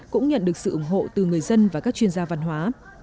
cũng nhận được sự ủng hộ từ người dân và các chuyên gia văn hóa